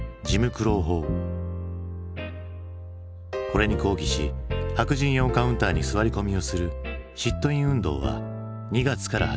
これに抗議し白人用カウンターに座り込みをするシット・イン運動は２月から始まった。